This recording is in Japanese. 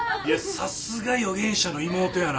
さすが予言者の妹やな。